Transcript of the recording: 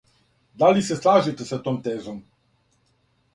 Да ли се слажете са том тежом?